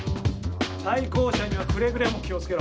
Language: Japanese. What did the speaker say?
対向車にはくれぐれも気を付けろ。